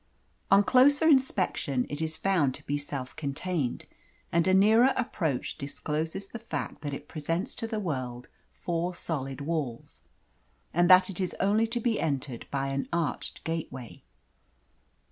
On closer inspection it is found to be self contained, and a nearer approach discloses the fact that it presents to the world four solid walls, and that it is only to be entered by an arched gateway.